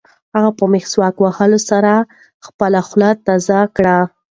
هغه په مسواک وهلو سره خپله خوله تازه کړه.